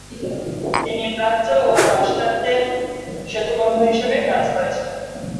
তিনি প্রাচ্য ও পাশ্চাত্যের সেতুবন্ধ হিসেবে কাজ করেছিলেন।